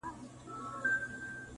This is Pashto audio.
زما په برخه وو درانه غمونه